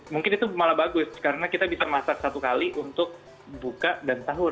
mungkin itu malah bagus karena kita bisa masak satu kali untuk buka dan sahur